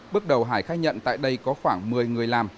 bước đầu hải khai nhận tại đây có khoảng một mươi người làm